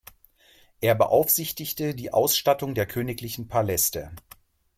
Er beaufsichtigte die Ausstattung der königlichen Paläste.